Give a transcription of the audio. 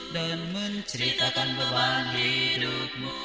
dan menceritakan beban hidupmu